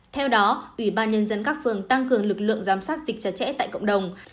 theo đó ủy ban nhân dân các phường tăng cường lực lượng giám sát dịch chặt chẽ tại cộng đồng